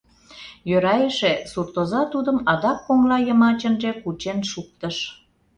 Йӧра эше, суртоза тудым адак коҥла йымачынже кучен шуктыш.